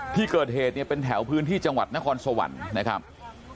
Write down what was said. ที่เกิดเหตุเนี่ยเป็นแถวพื้นที่จังหวัดนครสวรรค์นะครับ